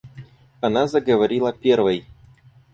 Она заговорила первой.